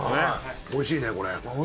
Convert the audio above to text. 美味しいねこれ。